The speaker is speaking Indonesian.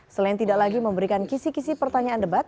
selain tidak lagi memberikan kisi kisi pertanyaan debat